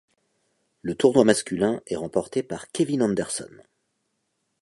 Le tournoi masculin est remporté par Kevin Anderson.